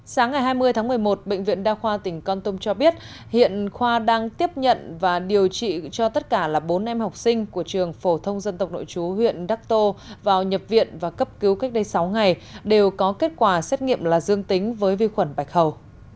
sáng ngày hai mươi tháng một mươi một bệnh viện đa khoa tỉnh con tum cho biết hiện khoa đang tiếp nhận và điều trị cho tất cả là bốn em học sinh của trường phổ thông dân tộc nội chú huyện đắc tô vào nhập viện và cấp cứu cách đây sáu ngày đều có kết quả xét nghiệm là dương tính với vi khuẩn bạch hầu